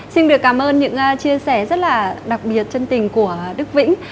xin được cảm ơn những chia sẻ rất là đặc biệt chân tình của đức vĩnh